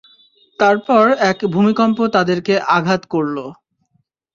তারপর এক ভূমিকম্প তাদেরকে আঘাত করল।